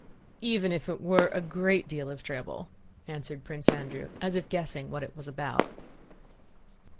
"Even if it were a great deal of trouble..." answered Prince Andrew, as if guessing what it was about.